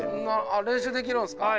あっ練習できるんですか？